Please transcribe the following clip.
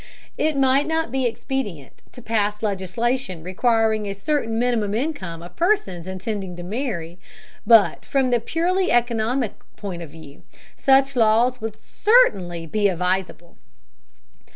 It might not be expedient to pass legislation requiring a certain minimum income of persons intending to marry, but from the purely economic point of view, such laws would certainly be advisable.